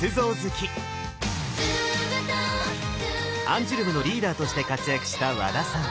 アンジュルムのリーダーとして活躍した和田さん。